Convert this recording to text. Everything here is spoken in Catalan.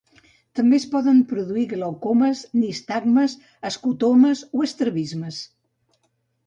També es poden produir glaucomes, nistagmes, escotomes o estrabismes.